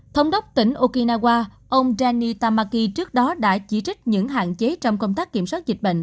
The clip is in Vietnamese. thống đốc tỉnh okinawa ông danny tamaki trước đó đã chỉ trích những hạn chế trong công tác kiểm soát dịch bệnh